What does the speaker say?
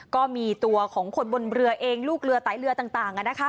ก็มีตัวของคนบนเรือเองลูกเรือไตล์เรือต่างต่างอ่ะนะคะ